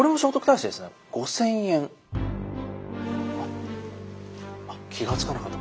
あっあっ気が付かなかった。